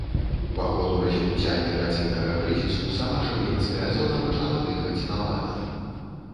Па ходу развіцця міграцыйнага крызісу сама шэнгенская зона пачала дыхаць на ладан.